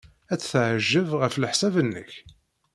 Ad t-teɛjeb, ɣef leḥsab-nnek?